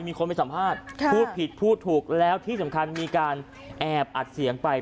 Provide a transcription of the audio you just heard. มีคนไปสัมภาษณ์พูดผิดพูดถูกแล้วที่สำคัญมีการแอบอัดเสียงไป